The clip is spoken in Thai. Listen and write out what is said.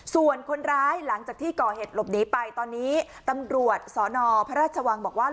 ส่วนคนร้ายหลังจากที่ก่อเหตุหลบหนีไปตอนนี้ตำรวจสนพระราชวังบอกว่า